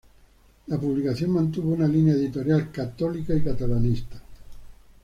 La publicación mantuvo una línea editorial católica y catalanista.